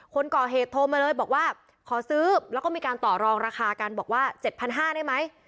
คนก่อเหตุโทรมาเลยบอกว่าขอซื้อแล้วก็มีการต่อรองราคากันบอกว่า๗๕๐๐ได้ไหม